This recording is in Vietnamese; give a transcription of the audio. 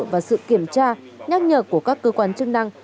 và sự kiểm tra nhắc nhở của các cơ quan chức năng